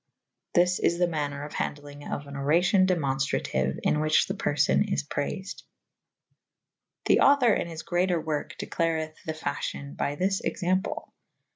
This is th^ maner of ha/zdehmg of an oracio// demo«ftratiue / in which iht perfo^z is prail'ed. [C ii b] The author in his greater worke declareth the fafhyon by this example.